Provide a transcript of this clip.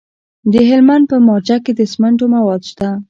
د هلمند په مارجه کې د سمنټو مواد شته.